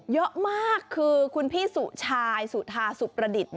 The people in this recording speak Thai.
เยอะมากคือคุณพี่สุชายสุธาสุประดิษฐ์